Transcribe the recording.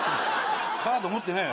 カード持ってないよ